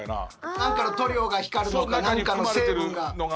何かの塗料が光るのか何かの成分が。